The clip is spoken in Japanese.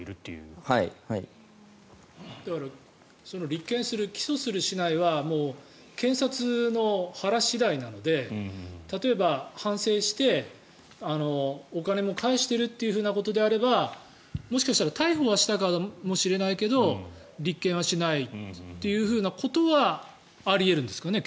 立件する起訴するしないは検察の腹次第なので例えば、反省してお金も返しているということであればもしかしたら逮捕はしたかもしれないけど立件はしないということはあり得るんですかね